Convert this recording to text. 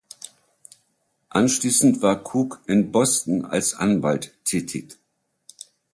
Anschließend war Cook in Boston als Anwalt tätig.